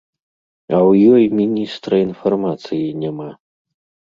А ў ёй міністра інфармацыі няма!